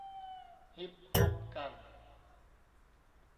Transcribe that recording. ฮิปฮอปกัน